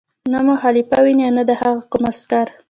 نه مو خلیفه ویني او نه د هغه کوم عسکر.